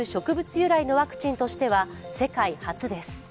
由来のワクチンとしては世界初です。